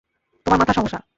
তোমার মাথার সমস্যা।